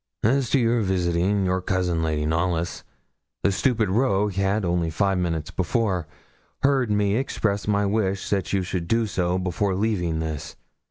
'As to your visiting your cousin, Lady Knollys, the stupid rogue had only five minutes before heard me express my wish that you should do so before leaving this.